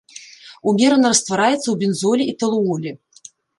Умерана раствараецца ў бензоле і талуоле.